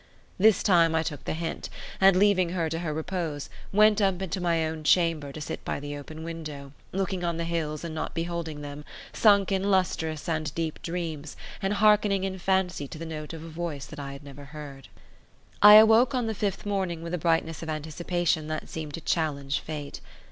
This time I took the hint, and, leaving her to her repose, went up into my own chamber to sit by the open window, looking on the hills and not beholding them, sunk in lustrous and deep dreams, and hearkening in fancy to the note of a voice that I had never heard. I awoke on the fifth morning with a brightness of anticipation that seemed to challenge fate.